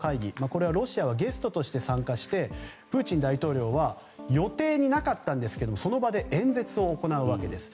これはロシアがゲストとして参加して、プーチン大統領は予定になかったんですけどその場で演説を行わうわけです。